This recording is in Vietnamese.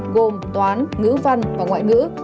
gồm toán ngữ văn và ngoại ngữ